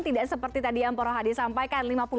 tidak seperti tadi yang pak rohadi sampaikan